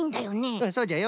うんそうじゃよ。